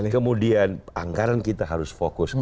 kemudian anggaran kita harus fokus